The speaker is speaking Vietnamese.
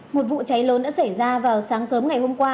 một vụ cháy lớn đã xảy ra vào sáng sớm ngày hôm qua